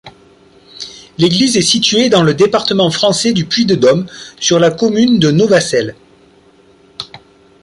L'église est située dans le département français du Puy-de-Dôme, sur la commune de Novacelles.